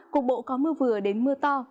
cục bộ có mưa vừa đến mưa to